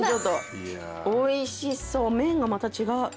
おいしそう麺がまた違う。